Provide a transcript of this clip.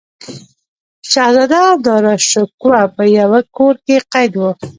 شهزاده داراشکوه په یوه کور کې قید و.